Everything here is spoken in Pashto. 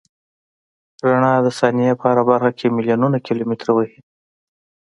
رڼا د ثانیې په هره برخه کې میلیونونه کیلومتره وهي.